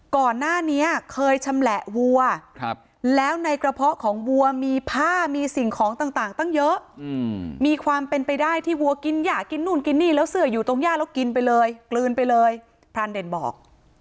ก่อนหน้านี้เคยชำแหละวัวแล้วในกระเพาะของวัวมีผ้ามีสิ่งของต่างตั้งเยอะมีความเป็นไปได้ที่วัวกินหย่ากินนู่นกินนี่แล้วเสืออยู่ตรงย่าแล้วกินไปเลยกลืนไปเลยพรานเด่นบอก